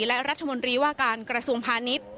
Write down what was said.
และรัฐมนตรีว่าการกระทรวงพาณิชย์